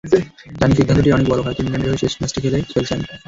জানি, সিদ্ধান্তটি অনেক বড়, হয়তো ইংল্যান্ডের হয়ে শেষ ম্যাচটি খেলে ফেলেছি আমি।